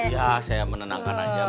iya saya menenangkan aja